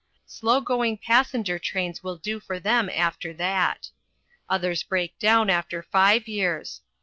Slow going passenger trains will do for them after that. Others break down after five years.